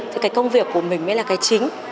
thì công việc của mình mới là cái chính